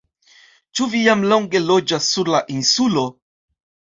Ĉu vi jam longe loĝas sur la Insulo?